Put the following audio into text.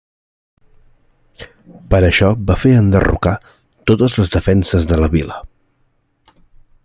Per això va fer enderrocar totes les defenses de la vila.